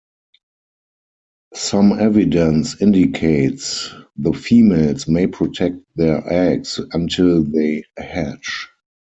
Some evidence indicates the females may protect their eggs until they hatch.